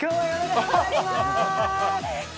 お願いします。